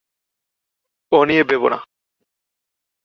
ও নিয়ে ভেবো না।